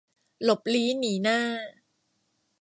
หลบลี้หนีหน้า